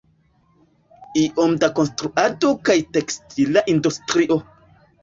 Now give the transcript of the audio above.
Iome da konstruado kaj tekstila industrio.